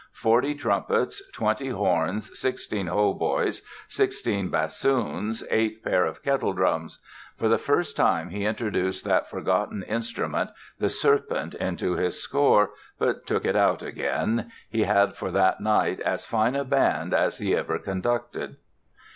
forty trumpets, twenty horns, sixteen hautboys, sixteen bassoons, eight pair of kettledrums; for the first time he introduced that forgotten instrument, the serpent into his score, but took it out again.... He had for that night as fine a band as he ever conducted."